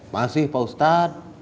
masih pak ustadz